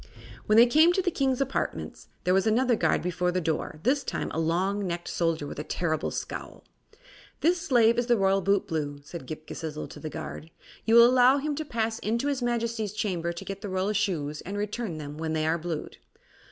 When they came to the King's apartments there was another guard before the door, this time a long necked soldier with a terrible scowl. "This slave is the Royal Bootblue," said Ghip Ghisizzle to the guard. "You will allow him to pass into his Majesty's chamber to get the royal shoes and to return them when they are blued."